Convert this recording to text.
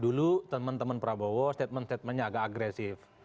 dulu teman teman prabowo statement statementnya agak agresif